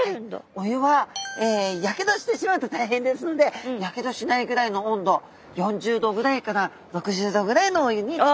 お湯はやけどしてしまうと大変ですのでやけどしないぐらいの温度４０℃ぐらいから６０℃ぐらいのお湯につけてください。